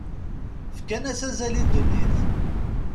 Fkan-as azal i ddunit.